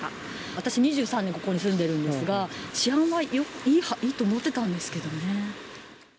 私、２３年ここに住んでるんですが、治安はいいと思ってたんですけどね。